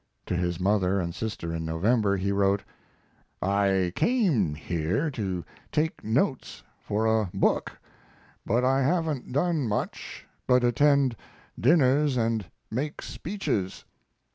To his mother and sister, in November, he wrote: I came here to take notes for a book, but I haven't done much but attend dinners and make speeches.